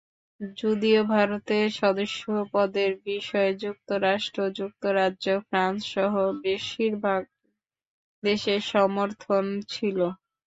যদিও ভারতের সদস্যপদের বিষয়ে যুক্তরাষ্ট্র, যুক্তরাজ্য, ফ্রান্সসহ বেশির ভাগ দেশের সমর্থন ছিল।